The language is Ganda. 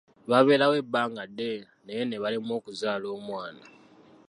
Babeerawo ebbanga ddene naye ne balemwa okuzaala omwana.